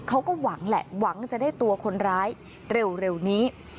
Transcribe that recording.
เขาก็หวังแหละหวังจะได้ตัวคนร้ายเร็วนี้